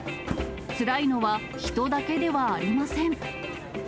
つらいのは人だけではありません。